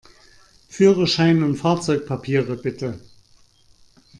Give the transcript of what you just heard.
Führerschein und Fahrzeugpapiere, bitte!